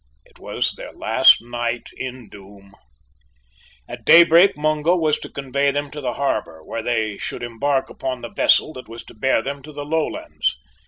It was their last night in Doom. At daybreak Mungo was to convey them to the harbour, where they should embark upon the vessel that was to bear them to the lowlands.